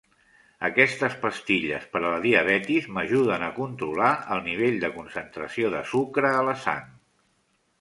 Aquestes pastilles per a la diabetis m'ajuden a controlar el nivell de concentració de sucre a la sang.